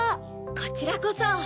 こちらこそ。